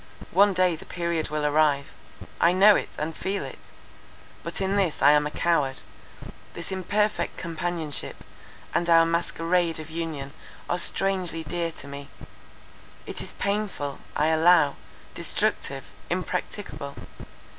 One day the period will arrive; I know it, and feel it. But in this I am a coward. This imperfect companionship, and our masquerade of union, are strangely dear to me. It is painful, I allow, destructive, impracticable.